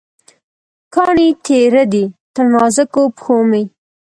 کاڼې تېره دي، تر نازکو پښومې